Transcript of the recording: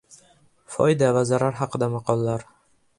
Foyda va zarar haqida maqollar.